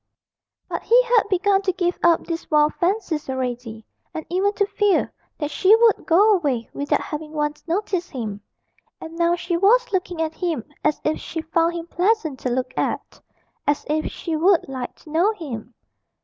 But he had begun to give up these wild fancies already, and even to fear that she would go away without having once noticed him; and now she was looking at him as if she found him pleasant to look at, as if she would like to know him.